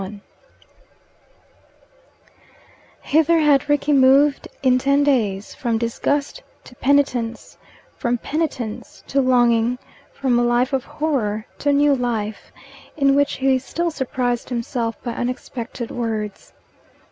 XXXI Hither had Rickie moved in ten days from disgust to penitence, from penitence to longing from a life of horror to a new life, in which he still surprised himself by unexpected words.